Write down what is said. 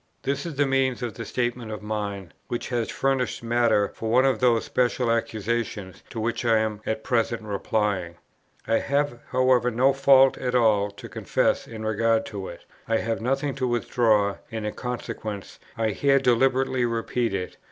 This is the meaning of a statement of mine which has furnished matter for one of those special accusations to which I am at present replying: I have, however, no fault at all to confess in regard to it; I have nothing to withdraw, and in consequence I here deliberately repeat it.